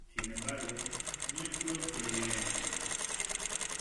Sin embargo, no hay pruebas que lo evidencian.